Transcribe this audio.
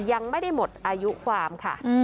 ยังไม่ได้หมดอายุความค่ะ